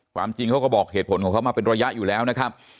ความจริงเขาก็บอกเหตุผลของเขามาเป็นระยะอยู่แล้วนะครับ